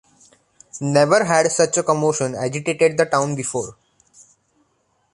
Never had such a commotion agitated the town before.